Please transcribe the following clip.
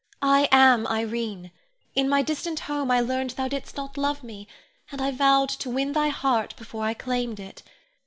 I am Irene. In my distant home I learned thou didst not love me, and I vowed to win thy heart before I claimed it.